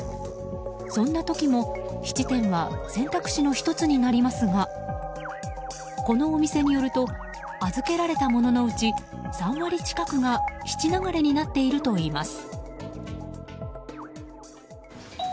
そんな時も質店は選択肢の１つになりますがこのお店によると預けられた物のうち３割近くが質流れになっているといいます。